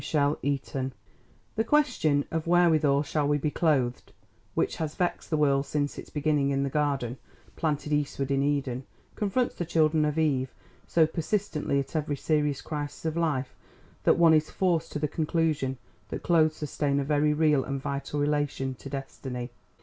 CHAPTER III The question of "wherewithal shall we be clothed," which has vexed the world since its beginning in the garden "planted eastward in Eden," confronts the children of Eve so persistently at every serious crisis of life that one is forced to the conclusion that clothes sustain a very real and vital relation to destiny.